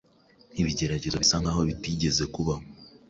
ibigeragezo bisa n’aho bitigeze kubaho